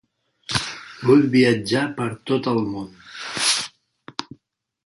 Vull viatjar per tot el món.